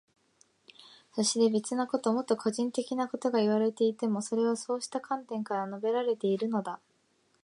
そして、別なこと、もっと個人的なことがいわれていても、それはそうした観点から述べられているのだ。